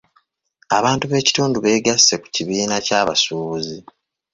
Abantu b'ekitundu beegasse ku kibiina ky'abasuubuzi.